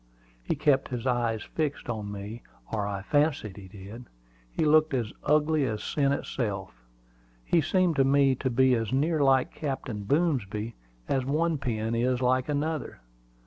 He kept his eyes fixed on me, or I fancied he did. He looked as ugly as sin itself. He seemed to me to be as near like Captain Boomsby as one pin is like another.